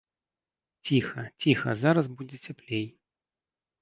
Ціха, ціха, зараз будзе цяплей.